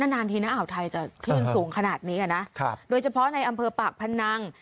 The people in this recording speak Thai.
นานทีนะอ่าวไทยจะคลื่นสูงขนาดนี้นะโดยเฉพาะในอำเภอปากพนัง